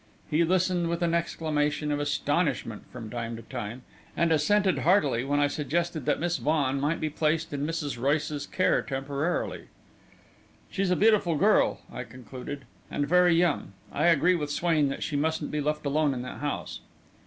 He listened with an exclamation of astonishment from time to time, and assented heartily when I suggested that Miss Vaughan might be placed in Mrs. Royce's care temporarily. "She's a beautiful girl," I concluded, "and very young. I agree with Swain that she mustn't be left alone in that house."